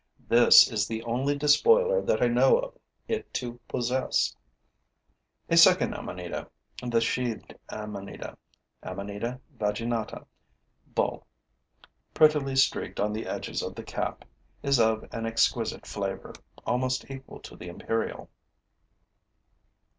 This is the only despoiler that I know it to possess. A second amanita, the sheathed amanita (Amanita vaginata, BULL.), prettily streaked on the edges of the cap, is of an exquisite flavor, almost equal to the imperial.